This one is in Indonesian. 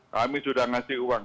kami sudah ngasih uang